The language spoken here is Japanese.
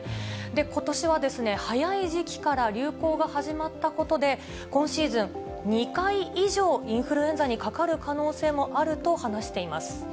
ことしはですね、早い時期から流行が始まったことで、今シーズン、２回以上インフルエンザにかかる可能性もあると話しています。